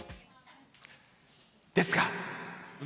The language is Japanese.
ですが。